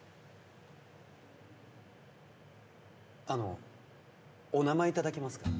「あのお名前頂けますか？」